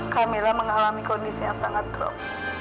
kamila mengalami kondisi yang sangat teruk